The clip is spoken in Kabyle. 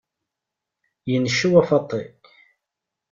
Incew, a Faaṭi!